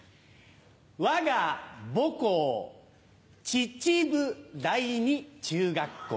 わが母校秩父第二中学校。